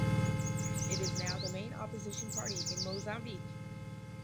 It is now the main opposition party in Mozambique.